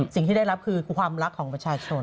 สิ่งที่ได้รับคือความรักของประชาชน